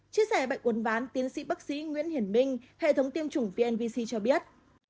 chia sẻ bệnh uốn ván tiến sĩ bác sĩ nguyễn hiển minh hệ thống tiêm chủng vnvc cho biết